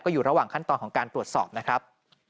อยู่ระหว่างขั้นตอนของการตรวจสอบนะครับ